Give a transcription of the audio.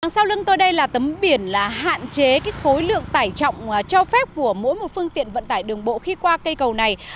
sau lưng tôi đây là tấm biển là hạn chế khối lượng tải trọng cho phép của mỗi một phương tiện vận tải đường bộ khi qua cây cầu này